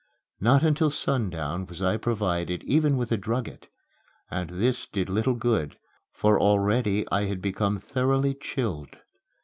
Not until sundown was I provided even with a drugget, and this did little good, for already I had become thoroughly chilled.